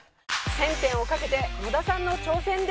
１０００点をかけて野田さんの挑戦です。